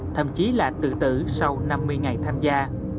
thậm chí là tự tử sau năm mươi ngày tham gia